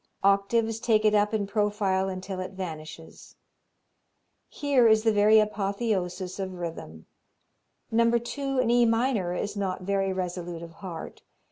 Octaves take it up in profile until it vanishes. Here is the very apotheosis of rhythm. No. 2, in E minor, is not very resolute of heart.